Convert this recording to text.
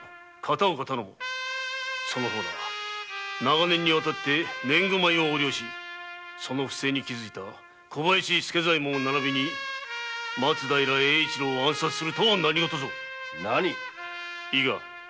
その方ら長年にわたって年貢米を横領しその不正に気づいた小林助左衛門ならびに松平英一郎を暗殺するとは何事ぞ伊賀。